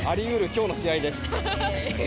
今日の試合です。